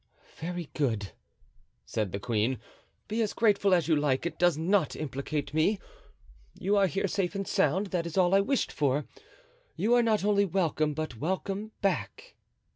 "Very good," said the queen, "be as grateful as you like, it does not implicate me; you are here safe and sound, that is all I wished for; you are not only welcome, but welcome back."